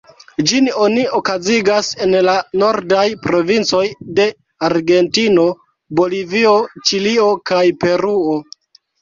Ĝin oni okazigas en la nordaj provincoj de Argentino, Bolivio, Ĉilio kaj Peruo.